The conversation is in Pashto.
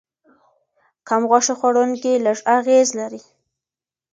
کم غوښه خوړونکي لږ اغېز لري.